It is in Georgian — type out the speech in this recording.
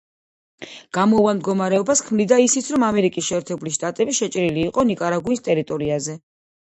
გამოუვალ მდგომარეობას ქმნიდა ისიც, რომ ამერიკის შეერთებული შტატები შეჭრილი იყო ნიკარაგუის ტერიტორიაზე.